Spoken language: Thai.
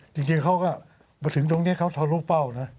จริงเขาก็ถึงตรงนี้เขาทอดลูกเป้า